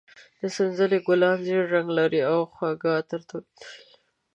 د سنځلې ګلان زېړ رنګ لري او خواږه عطر تولیدوي.